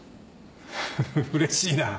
フフうれしいな。